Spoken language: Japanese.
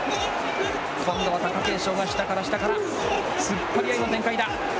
今度は貴景勝が下から下から、突っ張り合いの展開だ。